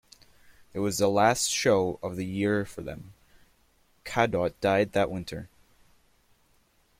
It was the last show of the year for them; Kahdot died that winter.